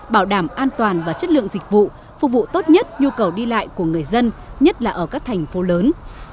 bảo đảm an toàn và chất lượng dịch vụ phục vụ tốt nhất nhu cầu đi lại của người dân nhất là ở các thành phố lớn